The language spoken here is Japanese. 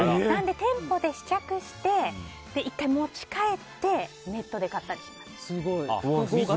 店舗で試着して１回、持ち帰ってネットで買ったりします。